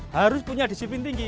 harus punya disiplin tinggi